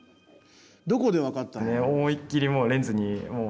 どこで分かったの？